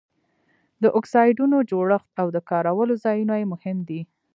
د اکسایډونو جوړښت او د کارولو ځایونه یې مهم دي.